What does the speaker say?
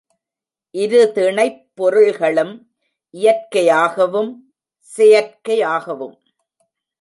இருதிணைப் பொருள்களும் இயற்கையாகவும் செயற்கையாகவும்